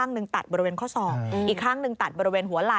ก็จะแบบกลับจะแขกกรุงเขามาตัดให้